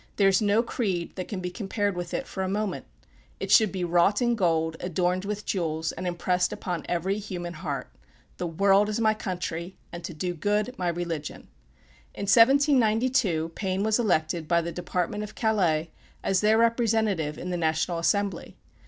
There is no creed that can be compared with it for a moment. It should be wrought in gold, adorned with jewels, and impressed upon every human heart: "The world is my country, and to do good my religion." In 1792, Paine was elected by the department of Calais as their representative in the National Assembly.